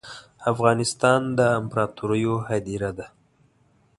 افغانستان ده امپراتوریو هدیره ده